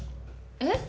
えっ？